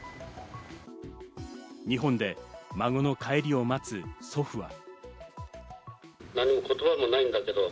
日本で孫の帰りを待つ祖父は。